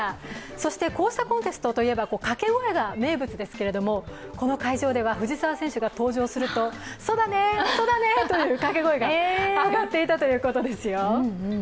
そしてこうしたコンテストというとかけ声が印象ですけどこの会場では藤澤選手が登場するとそだねというかけ声が上がっていたそうですよ。